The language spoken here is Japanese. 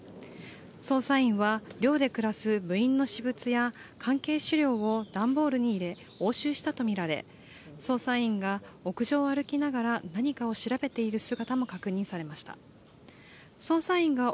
捜査員は、寮で暮らす部員の私物や関係資料を段ボールに入れ押収したとみられ捜査員が屋上を歩きながら何かを調べている姿も確認されました。